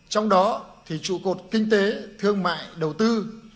trong đó thì trụ cột kinh tế thương mại đầu tư